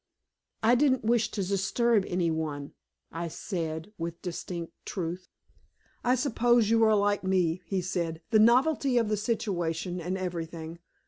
"I didn't wish to disturb any one," I said, with distinct truth. "I suppose you are like me," he said. "The novelty of the situation and everything.